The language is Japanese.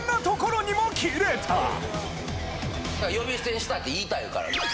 呼び捨てにしたって言いたいから。